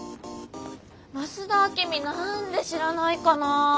増田明美何で知らないかな。